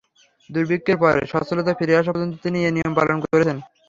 দুর্ভিক্ষের পর সচ্ছলতা ফিরে আসা পর্যন্ত তিনি এ নিয়ম পালন করেছেন।